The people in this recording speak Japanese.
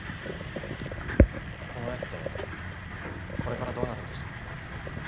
この絵ってこれからどうなるんですか？